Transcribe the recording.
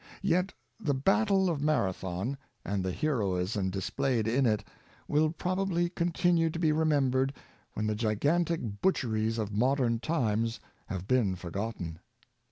Yet the Battle of Mara thon, and the heroism displayed in it, will probably continue to be remembered when the gigantic butcher ies of modern times have been forgotten.